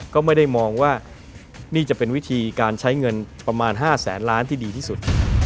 ก็ไม่ได้มองว่านี่จะเป็นวิธีการใช้เงินประมาณ๕แสนล้านที่ดีที่สุด